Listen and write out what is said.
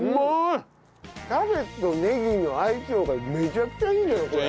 キャベツとねぎの相性がめちゃくちゃいいねこれ。